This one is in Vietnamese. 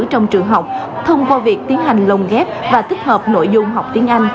trong trường học thông qua việc tiến hành lồng ghép và tích hợp nội dung học tiếng anh